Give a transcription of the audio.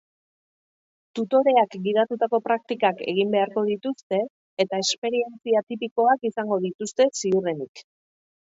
Tutoreak gidatutako praktikak egin beharko dituzte eta esperientzia tipikoak izango dituzte, ziurrenik.